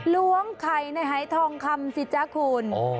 ล้วงไข่ในหายทองคำสิจ๊ะคุณ